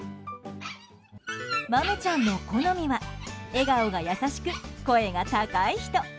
マメちゃんの好みは笑顔がやさしく声が高い人。